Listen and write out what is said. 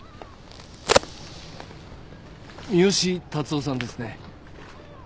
三好辰夫さんですね？